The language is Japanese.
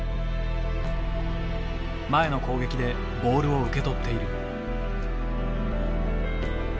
前の攻撃でボールを受け取っている。